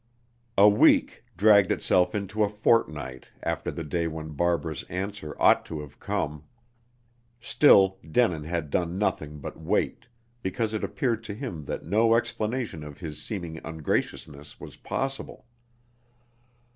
A week dragged itself on into a fortnight after the day when Barbara's answer ought to have come. Still Denin had done nothing but wait, because it appeared to him that no explanation of his seeming ungraciousness was possible.